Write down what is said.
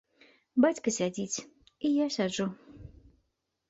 Бацька сядзіць, і я сяджу.